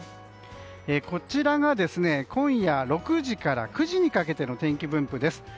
こちらが今夜６時から９時にかけての天気分布です。